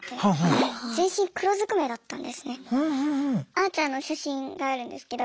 あーちゃんの写真があるんですけど。